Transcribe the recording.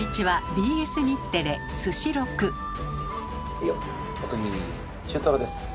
はいよお次中トロです。